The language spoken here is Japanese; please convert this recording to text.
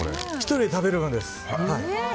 １人で食べる分です。